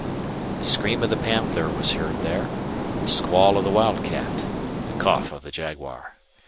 The scream of the panther was heard there, the squall of the wildcat, the cough of the jaguar.